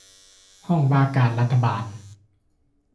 ຫ້ອງວ່າການລັດຖະບານ